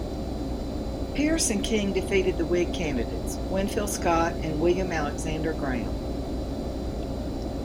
Pierce and King defeated the Whig candidates, Winfield Scott and William Alexander Graham.